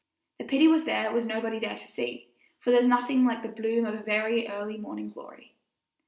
The pity was there was nobody there to see, for there's nothing like the bloom of the very early morning glory.